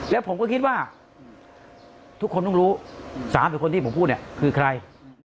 แล้วผมก็คิดว่าทุกคนต้องรู้๓หรือคนที่ผมพูดเนี่ยคือใคร